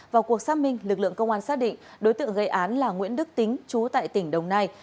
vào cuộc xác minh lực lượng công an xác định đối tượng gây án là nguyễn đức tính chú tại tỉnh đồng nai